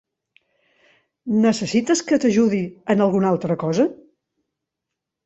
Necessites que t'ajudi en alguna altra cosa?